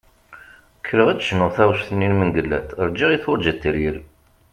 Kkreɣ ad d-cnuɣ taɣect-nni n Mengellat "Rğiɣ i turğa teryel".